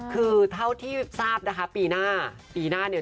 คือเท่าที่ทราบนะคะปีหน้า